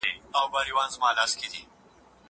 زه مخکي کتابتون ته تللي وو!